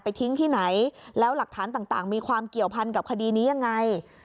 ทิ้งที่ไหนแล้วหลักฐานต่างมีความเกี่ยวพันกับคดีนี้ยังไง